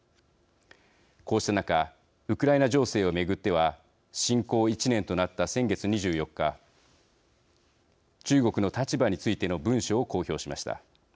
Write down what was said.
こうした中ウクライナ情勢を巡っては侵攻１年となった先月２４日中国の立場についての文書を公表しました。